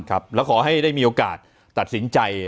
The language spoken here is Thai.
แล้วขอให้ได้มีโอกาสตัดสินใจ